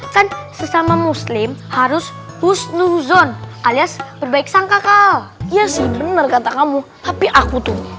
kan sesama muslim harus hush nuzon alias perbaik sangka lovers yang benar kata kamu tapi aku tuh